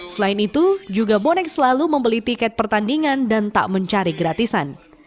selain itu juga bonek selalu membeli tiket pertandingan dan tak mencari gratisan